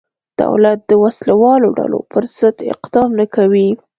دولت د وسله والو ډلو پرضد اقدام نه کوي.